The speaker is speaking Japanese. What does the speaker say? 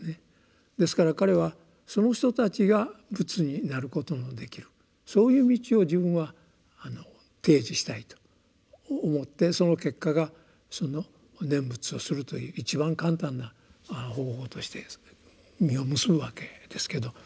ですから彼はその人たちが仏になることもできるそういう道を自分は提示したいと思ってその結果が念仏をするという一番簡単な方法として実を結ぶわけですけど。